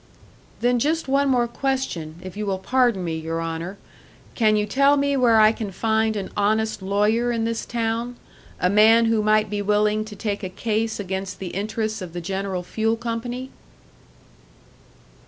"Then just one more question if you will pardon me, your Honour. Can you tell me where I can find an honest lawyer in this town a man who might be willing to take a case against the interests of the General Fuel Company?"